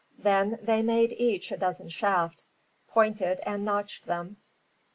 They then made each a dozen shafts, pointed and notched them.